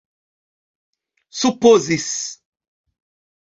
supozis